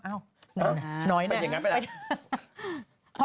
อะน้อยแน่